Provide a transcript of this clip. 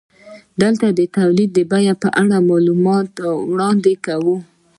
دلته د تولید د بیې په اړه معلومات وړاندې کوو